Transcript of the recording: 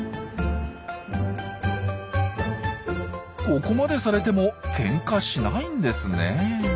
ここまでされてもけんかしないんですね。